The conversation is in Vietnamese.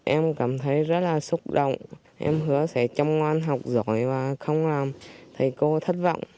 em cảm thấy rất là xúc động em hứa sẽ chăm ngoan học giỏi và không làm thầy cô thất vọng